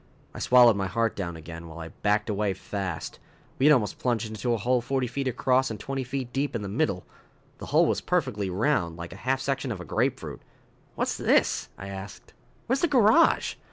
I swallowed my heart down again, while I backed away fast. We had almost plunged into a hole forty feet across and twenty feet deep in the middle. The hole was perfectly round, like a half section of a grapefruit. "What's this?" I asked. "Where's the garage?"